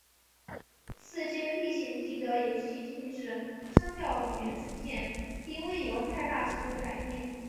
世界历险记的游戏性质相较于原始片并未有太大程度的改变。